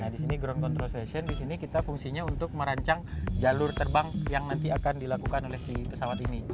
di ground control station kita merancang jalur terbang yang nanti akan dilakukan oleh pesawat ini